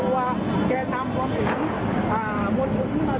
กลับตัวไปนะครับโดยที่ผ่านมาสถานการณ์ค่อนข้างโดยทาง